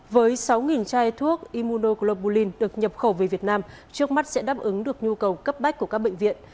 với sáu chai thuốc imuno globalin được nhập khẩu về việt nam trước mắt sẽ đáp ứng được nhu cầu cấp bách của các bệnh viện